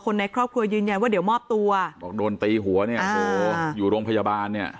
ในครอบครัวยืนยันว่าเดี๋ยวมอบตัวบอกโดนตีหัวเนี่ยโอ้โหอยู่โรงพยาบาลเนี่ย